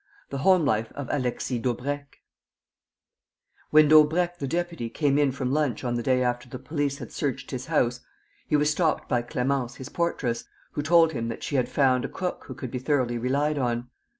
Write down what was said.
THE HOME LIFE OF ALEXIS DAUBRECQ When Daubrecq the deputy came in from lunch on the day after the police had searched his house he was stopped by Clémence, his portress, who told him that she had found a cook who could be thoroughly relied on.